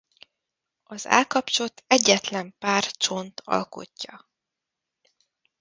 Az állkapcsot egyetlen pár csont alkotja.